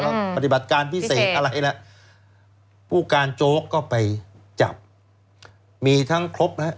ปฏิบัติการพิเศษอะไรแล้วผู้การโจ๊กก็ไปจับมีทั้งครบแล้ว